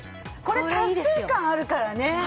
これ達成感あるからね！